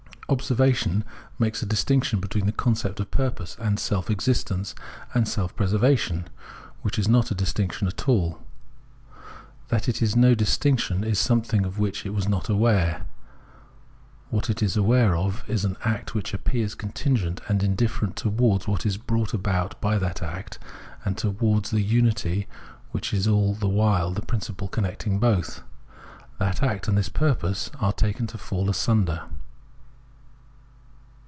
Observation makes a distinction between the concept of purpose and self existence and self preservation, which is not a distinction at all. That it is no distinction is something of which it is not aware ; what it is aware of is an act which appears contingent and indifferent towards what is brought about by that act, and towards the unity which is all the while the principle connecting both ; that act and this purpose are taken to fall asunder.